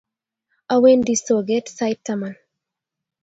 Awendi soget sait taman